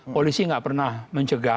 polisi enggak pernah mencegah